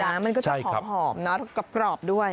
ไปอบน้ำมันก็จะหอมแล้วก็กรอบด้วย